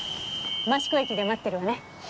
益子駅で待ってるわね。